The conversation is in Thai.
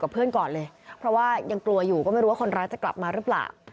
เพราะว่ายังกลัวอยู่ก็ไม่รู้ว่าคนรักจะกลับมารึปล่า